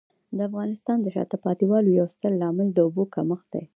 د افغانستان د شاته پاتې والي یو ستر عامل د اوبو کمښت دی.